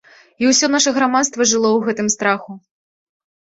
І ўсё наша грамадства жыло ў гэтым страху.